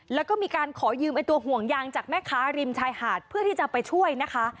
แล้วก็มีการขอยืมไอ้ตัวห่วงยางจากแม่ค้าริมชายหาดเพื่อที่จะไปช่วยนะคะ